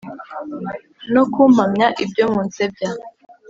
no kumpamya ibyo munsebya,